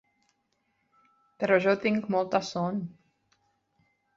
Però jo tinc molta son.